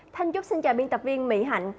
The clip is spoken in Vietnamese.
thanh chúc xin chào biên tập viên mỹ hạnh